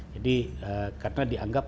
jadi karena dianggap